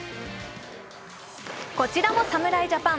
こちらも侍ジャパン。